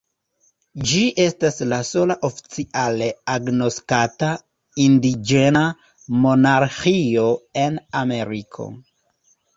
Ĝi estas la sola oficiale agnoskata indiĝena monarĥio en Ameriko.